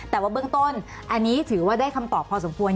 แต่ว่าเบื้องต้นอันนี้ถือว่าได้คำตอบพอสมควร